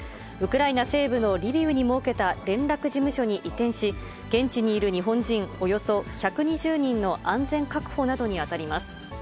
ウクライナ西部のリビウに設けた連絡事務所に移転し、現地にいる日本人およそ１２０人の安全確保などに当たります。